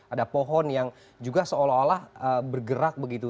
ada pohon yang juga seolah olah bergerak begitu